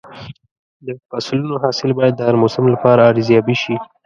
د فصلونو حاصل باید د هر موسم لپاره ارزیابي شي.